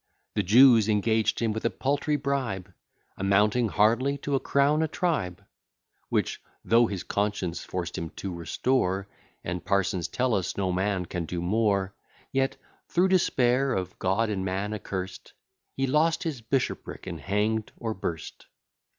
The Jews engaged him with a paltry bribe, Amounting hardly to a crown a tribe; Which though his conscience forced him to restore, (And parsons tell us, no man can do more,) Yet, through despair, of God and man accurst, He lost his bishopric, and hang'd or burst.